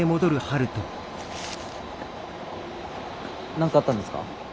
何かあったんですか？